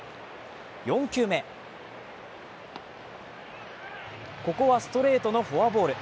４球目、ここはストレートのフォアボール。